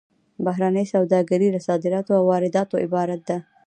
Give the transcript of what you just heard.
بهرنۍ سوداګري له صادراتو او وارداتو عبارت ده